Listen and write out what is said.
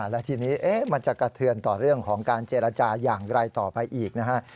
แล้วทีนี้มันจะกระเทือนต่อเรื่องของการเจรจาอย่างไรต่อไปอีกนะฮะ